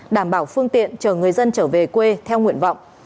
đảm bảo phương tiện chở người dân trở về quê theo nguyện vọng